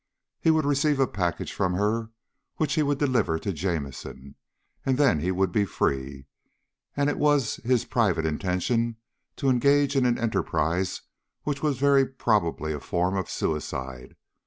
He would receive a package from her, which he would deliver to Jamison. And then he would be free, and it was his private intention to engage in an enterprise which was very probably a form of suicide.